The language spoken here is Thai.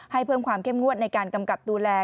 เพิ่มความเข้มงวดในการกำกับดูแล